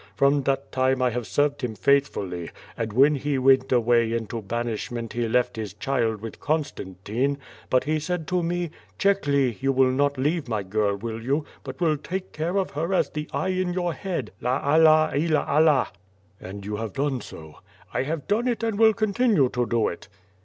From that time I have served him faithfully, and when he went away into banishment he left his child with Constantine, but he said to me, 'Chekhly you will not leave my girl, will you, but will take care of her as the eye in your head.' La Allah ilia Allah!" "And you have done so?" "I have done it and will continue to do it."